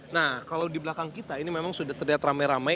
nah kalau di belakang kita ini memang sudah terlihat ramai ramai